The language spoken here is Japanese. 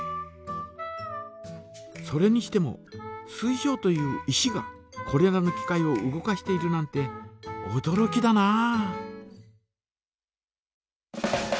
それにしても水晶という石がこれらの機械を動かしているなんておどろきだなあ。